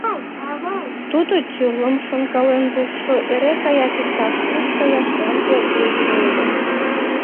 Тудо, тӱрлым шонкален лукшо, эре гаяк иктаж-куш каяш ямде улшо ыле.